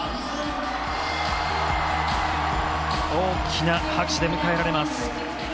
大きな拍手で迎えられます